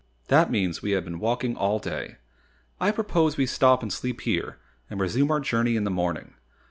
That means we have been walking all day. I propose we stop and sleep here and resume our journey in the morning.